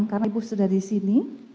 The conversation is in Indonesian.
karena ibu sudah di sini